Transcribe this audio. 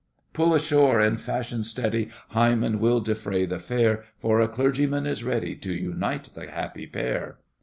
Pull ashore, in fashion steady, Hymen will defray the fare, For a clergyman is ready To unite the happy pair!